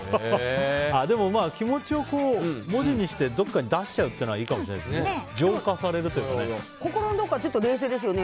でも、気持ちを文字にしてどこかに出しちゃうというのはいいかもしれないですね。